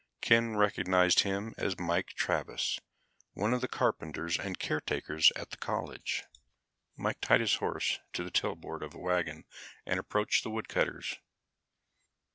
Ken recognized him as Mike Travis, one of the carpenters and caretakers at the college. Mike tied his horse to the tailboard of a wagon and approached the woodcutters.